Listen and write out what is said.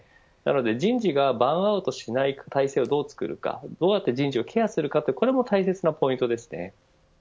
人事がバーンアウトしない体制をどうつくるかどうやって人事をケアするかこれも大切なポイントです。